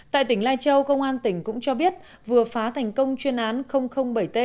tại tỉnh lai châu công an tỉnh cũng cho biết vừa phá thành công chuyên án bảy t